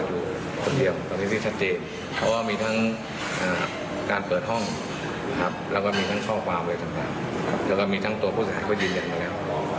หรือว่าเดี๋ยวจะมีน้องเขาก็สามารถที่จะพูดหรือว่าให้การอะไรก็ได้หรือเปล่า